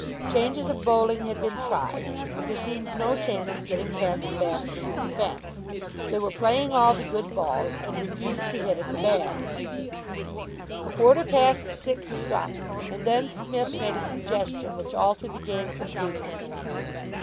Changes of bowling had been tried, but there seemed no chance of getting past the batsmen's defence. They were playing all the good balls, and refused to hit at the bad. A quarter past six struck, and then Psmith made a suggestion which altered the game completely.